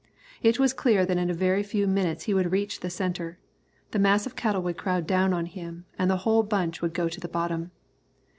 It was clear that in a very few minutes he would reach the centre, the mass of cattle would crowd down on him, and the whole bunch would go to the bottom.